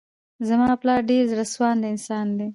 زما پلار ډير زړه سوانده انسان دی.